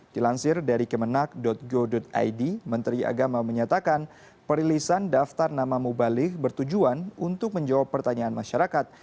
dilansir dari kemenak go id menteri agama menyatakan perilisan daftar nama mubalik bertujuan untuk menjawab pertanyaan masyarakat